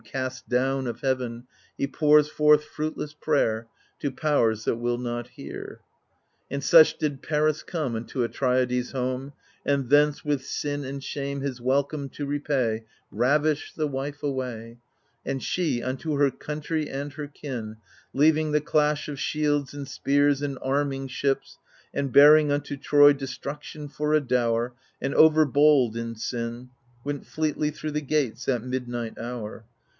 Cast down of heaven, he pours forth fruitless prayer To powers that will not hear. And such did Paris come Unto Atrides' home. And thence, with sin and shame his welcome to repay. Ravished the wife away — And she, unto her country and her kin Leaving the clash of shields and spears and arming ships. And bearing unto Troy destruction for a dower, And overbold in sin, Went fleetly thro' the gates, at midnight hour.